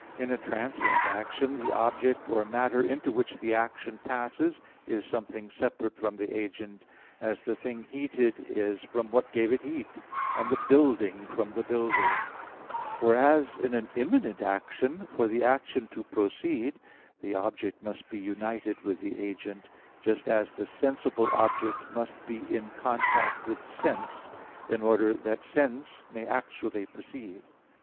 In a transient action the object or matter into which the action passes is something separate from the agent, as the thing heated is from what gave it heat, and the building from the builder; whereas in an immanent action, for the action to proceed, the object must be united with the agent; just as the sensible object must be in contact with sense, in order that sense may actually perceive.